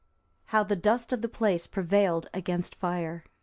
How the dust of that place prevailed against fire.